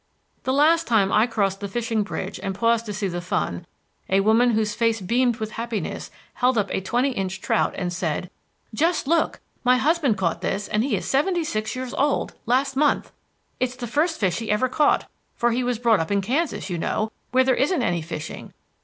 The last time I crossed the Fishing Bridge and paused to see the fun, a woman whose face beamed with happiness held up a twenty inch trout and said: "Just look! My husband caught this and he is seventy six years old last month. It's the first fish he ever caught, for he was brought up in Kansas, you know, where there isn't any fishing.